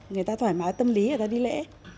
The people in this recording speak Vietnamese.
người ta thoải mái tâm lý người ta đi lễ